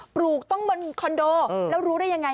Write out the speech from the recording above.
ลูกต้องบนคอนโดแล้วรู้ได้ยังไง